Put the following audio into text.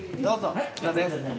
どうぞ。